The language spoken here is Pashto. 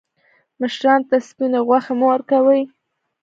مشرانو ته سپیني غوښي مه ورکوئ.